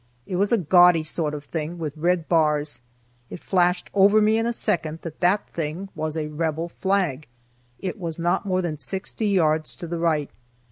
It was a gaudy sort of thing, with red bars. It flashed over me in a second that that thing was a Rebel flag. It was not more than sixty yards to the right.